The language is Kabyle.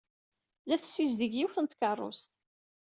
La tessizdig yiwet n tkeṛṛust.